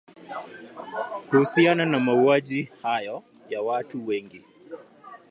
Kuhusiana na mauaji hayo ya watu wengi.